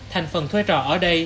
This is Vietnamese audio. thành phần thuê trò ở đây